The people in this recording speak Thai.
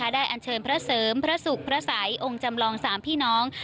อันเชิญพระเสริมพระสุขพระสัยองค์จำลอง๓พี่น้อง